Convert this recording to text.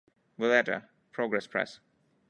Valletta: Progress Press.